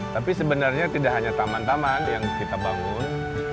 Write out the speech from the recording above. tapi sebenarnya tidak hanya taman taman yang kita bangun